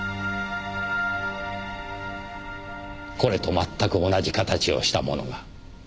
これと全く同じ形をしたものが。